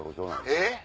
えっ？